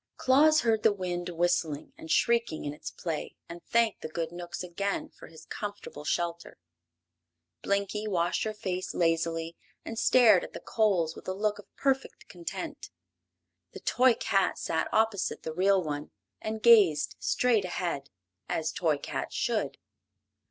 Claus heard the wind whistling and shrieking in its play and thanked the good Knooks again for his comfortable shelter. Blinkie washed her face lazily and stared at the coals with a look of perfect content. The toy cat sat opposite the real one and gazed straight ahead, as toy cats should.